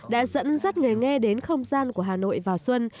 đã dẫn dắt người nghe đến không gian của hà nội vào xuân